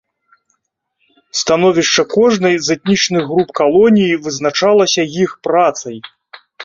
Становішча кожнай з этнічных груп калоніі вызначалася іх працай.